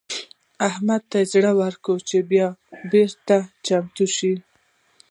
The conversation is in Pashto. احمد ته يې زړه ورکړ چې بيا برید ته چمتو شي.